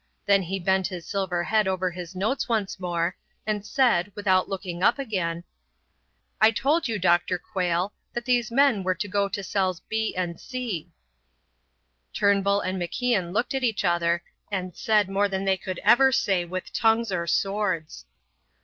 Then he bent his silver head over his notes once more, and said, without looking up again: "I told you, Dr. Quayle, that these men were to go to cells B and C." Turnbull and MacIan looked at each other, and said more than they could ever say with tongues or swords.